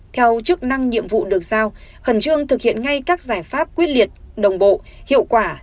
theo chức năng nhiệm vụ được giao khẩn trương thực hiện ngay các giải pháp quyết liệt đồng bộ hiệu quả